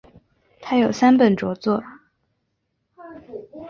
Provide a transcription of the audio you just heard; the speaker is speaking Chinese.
他有三本着作。